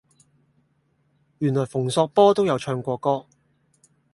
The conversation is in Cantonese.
原來馮素波都有唱過歌